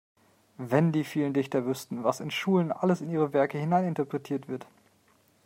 Wenn die vielen Dichter wüssten, was in Schulen alles in ihre Werke hineininterpretiert wird!